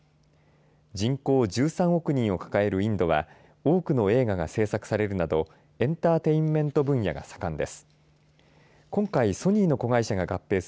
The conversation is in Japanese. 人口１３億人を抱えるインドは多くの映画が制作されるなどエンターテインメント分野が盛んです。